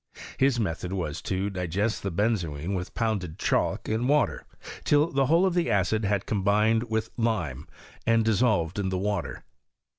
His method was, to digest the benzoin with pounded chalk and water, till the whole of the acid had combined with lime, and dissolved in the water.